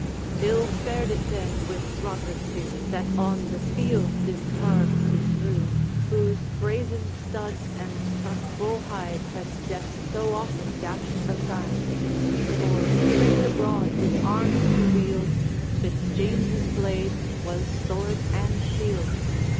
Ill fared it then with Roderick Dhu, That on the field his targe he threw, Whose brazen studs and tough bull hide Had death so often dashed aside; For, trained abroad his arms to wield Fitz James's blade was sword and shield.